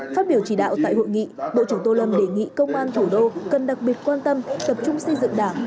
phát biểu chỉ đạo tại hội nghị bộ trưởng tô lâm đề nghị công an thủ đô cần đặc biệt quan tâm tập trung xây dựng đảng